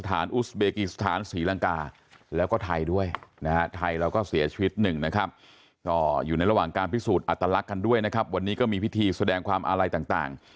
แห้งด้วยนะครับวันนี้ก็มีพิธีแสดงความอฆต่าง